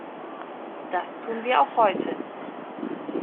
Das tun wir auch heute.